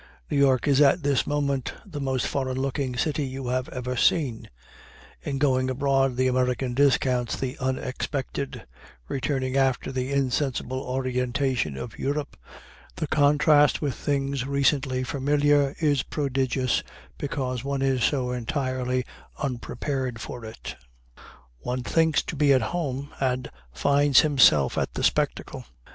New York is at this moment the most foreign looking city you have ever seen; in going abroad the American discounts the unexpected; returning after the insensible orientation of Europe, the contrast with things recently familiar is prodigious, because one is so entirely unprepared for it. One thinks to be at home, and finds himself at the spectacle.